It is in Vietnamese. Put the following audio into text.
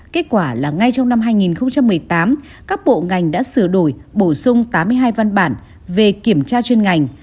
kết quả là ngay trong năm hai nghìn một mươi tám các bộ ngành đã sửa đổi bổ sung tám mươi hai văn bản về kiểm tra chuyên ngành